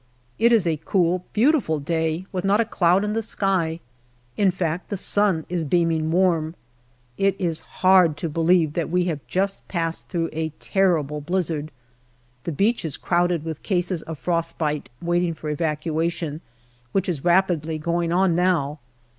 It is a cool, beautiful day, with not a cloud in the sky. In fact, the sun is beaming warm. It is hard to believe that we have just passed through a terrible blizzard. The beach is crowded with cases of frostbite waiting for evacuation, which is rapidly going on now.